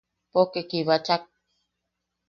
Poke kibachak.